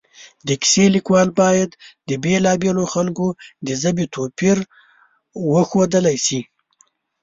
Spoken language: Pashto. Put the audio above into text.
د کیسې لیکوال باید د بېلا بېلو خلکو د ژبې توپیر وښودلی شي